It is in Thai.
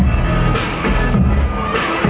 ไม่ต้องถามไม่ต้องถาม